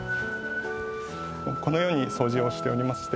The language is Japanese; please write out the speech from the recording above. このようにそうじをしておりまして。